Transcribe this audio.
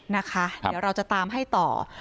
นะคะเดี๋ยวเราจะตามให้ต่อ